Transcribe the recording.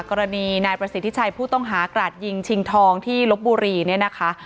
กรณีนายประสิทธิ์ที่ใช่ผู้ต้องหากราชจิงธองที่ลบบุรีนะคะ